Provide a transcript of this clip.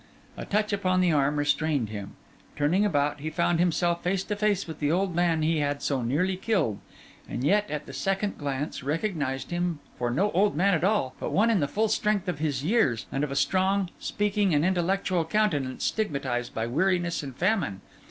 A touch upon the arm restrained him. Turning about, he found himself face to face with the old man he had so nearly killed; and yet, at the second glance, recognised him for no old man at all, but one in the full strength of his years, and of a strong, speaking, and intellectual countenance stigmatised by weariness and famine.